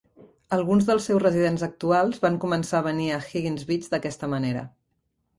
Alguns dels seus residents actuals van començar a venir a Higgins Beach d'aquesta manera.